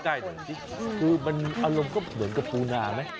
ใช่คือมันอารมณ์ก็เหมือนกับปูนาไหม